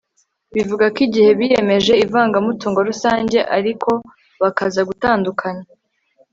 bivuga ko igihe biyemeje ivangamutungo rusange ariko bakaza gutandukana